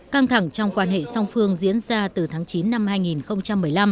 căng thẳng trong quan hệ song phương diễn ra từ tháng chín năm hai nghìn một mươi năm